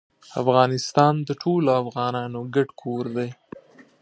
افغانستان د ټولو افغانانو ګډ کور دی.